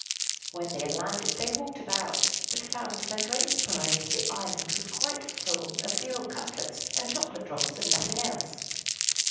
When they had landed, they walked about, but found, to their great surprise, that the island was quite full of veal cutlets and chocolate drops, and nothing else.